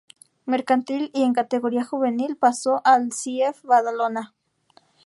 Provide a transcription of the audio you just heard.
Mercantil y en categoría juvenil pasó al C. F. Badalona.